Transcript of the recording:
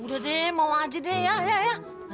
udah deh mau aja deh ya ya ya